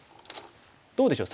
どうでしょう？